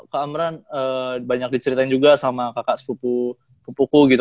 kak amran banyak diceritain juga sama kakak sepupuku gitu